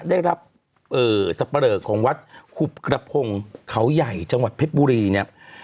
ได้รับสับปะเลอของวัดหุบกระพงเขาใหญ่จังหวัดเพชรบุรีเนี่ย